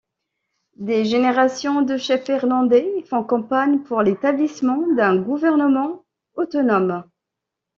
Des générations de chefs irlandais font campagne pour l'établissement d'un gouvernement autonome.